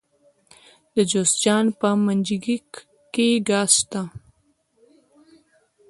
د جوزجان په منګجیک کې ګاز شته.